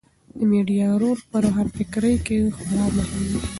د میډیا رول په روښانفکرۍ کې خورا مهم دی.